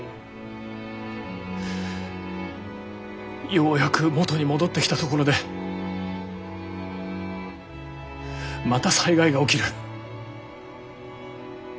ようやく元に戻ってきたところでまた災害が起きる。